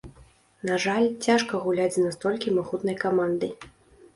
На жаль, цяжка гуляць з настолькі магутнай камандай.